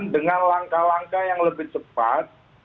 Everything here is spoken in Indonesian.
dengan langkah langkah yang lebih cepat